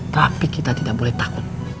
tapi kita tidak boleh takut